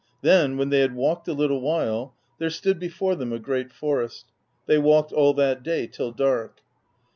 Then, when they had walked a little while, there stood before them a great forest; they walked all that day till dark.